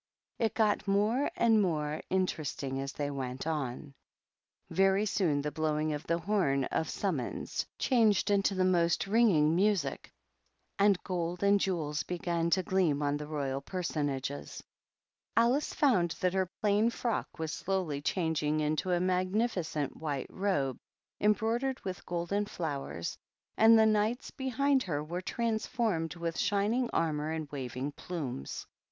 It got more and more ii ing as they went on; Very soon the blowing ot i e horn of summoia changed into the most r ing niueic, and goM and jewels began to gleam he royal personagoi Alice found that her plai frock was slow^ changing into a magnificent white robe end broidered with golden flowers, and the Knight! behind her were transformed with shining armor and waving plumes.